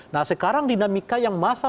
nah sekarang dinamika yang masa